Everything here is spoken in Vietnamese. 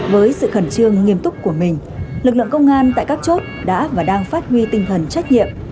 với sự khẩn trương nghiêm túc của mình lực lượng công an tại các chốt đã và đang phát huy tinh thần trách nhiệm